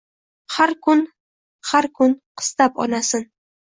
Har kun, har kun qistab onasin: